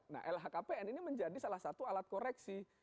nah lhkpn ini menjadi salah satu alat koreksi